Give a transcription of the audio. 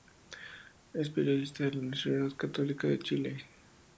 Es periodista de la Universidad Católica de Chile.